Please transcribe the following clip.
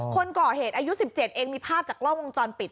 คนก่อเหตุอายุสิบเจ็ดเองมีภาพจากล่อวงจรปิด